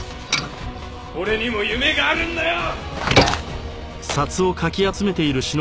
俺にも夢があるんだよ！